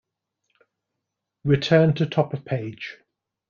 Return to top of page.